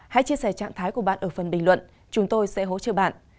hãy chia sẻ trạng thái của bạn ở phần bình luận chúng tôi sẽ hỗ trợ bạn